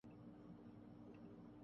گندم درآمدکرنے کی منظوری دےدی ہے